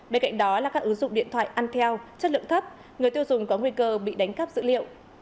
bên cạnh đó là các ứng dụng điện thoại ăn theo chất lượng thấp người tiêu dùng có nguy cơ bị đánh cắp dữ liệu